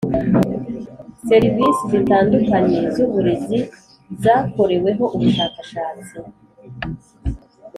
Serivisi zitandukanye z uburezi zakoreweho ubushakashatsi